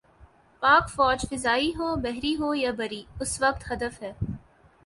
پاک فوج فضائی ہو، بحری ہو یا بری، اس وقت ہدف ہے۔